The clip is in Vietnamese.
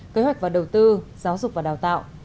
kế hoạch và đầu tư giáo dục và đào tạo